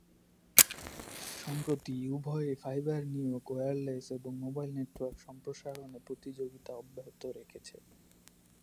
সম্প্রতি, উভয়েই ফাইবার নিয়োগ, ওয়্যারলেস এবং মোবাইল নেটওয়ার্ক সম্প্রসারণে প্রতিযোগিতা অব্যহত রেখেছে।